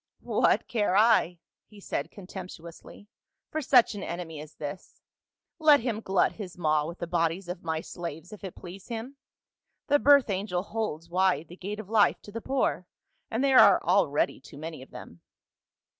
"'What care I,' he said contemptuously, 'for such an enemy as this ? Let him glut his maw with the bodies of my slaves if it please him ; the birth angel holds wide the gate of life to the poor, and there are already too many of them.'